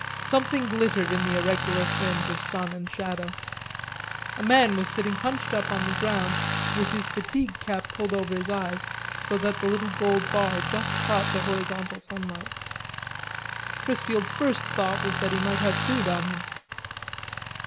Something glittered in the irregular fringe of sun and shadow. A man was sitting hunched up on the ground with his fatigue cap pulled over his eyes so that the little gold bar just caught the horizontal sunlight. Chrisfield's first thought was that he might have food on him.